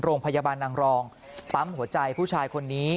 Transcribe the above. โรงพยาบาลนางรองปั๊มหัวใจผู้ชายคนนี้